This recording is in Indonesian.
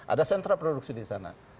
ada sentra produksi di sana